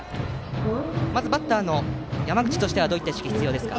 まずバッターの山口としてはどういった意識が必要ですか。